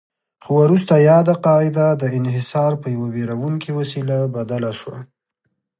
خو وروسته یاده قاعده د انحصار پر یوه ویروونکې وسیله بدله شوه.